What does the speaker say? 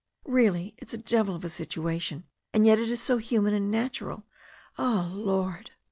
Really, it's a devil of a situation, and yet it is so human and natural. Oh, Lord